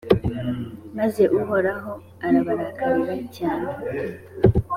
maze uhoraho arabarakarira cyane.